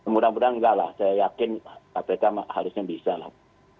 mudah mudahan enggak lah saya yakin kpk harusnya bisa lah